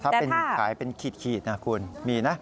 ถ้าขายเป็นขีดคุณมีนะ